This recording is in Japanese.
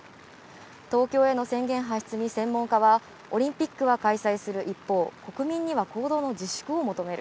東京への宣言発出に専門家はオリンピックは開催する一方、国民には行動の自粛を求める。